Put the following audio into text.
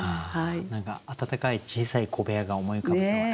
何か暖かい小さい小部屋が思い浮かぶような。